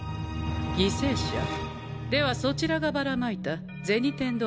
犠牲者？ではそちらがばらまいた銭天堂の偽物の駄菓子は？